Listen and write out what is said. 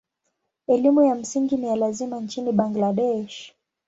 Elimu ya msingi ni ya lazima nchini Bangladesh.